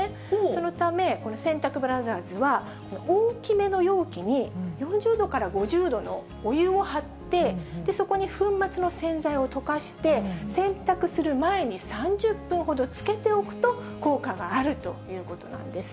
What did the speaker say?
そのため、洗濯ブラザーズは、大きめの容器に４０度から５０度のお湯を張って、そこに粉末の洗剤を溶かして、洗濯する前に３０分ほどつけておくと、効果があるということなんです。